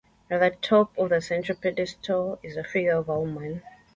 At the top of the central pedestal is a figure of a woman.